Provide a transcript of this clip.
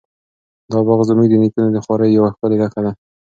دا باغ زموږ د نیکونو د خواریو یوه ښکلې نښه ده.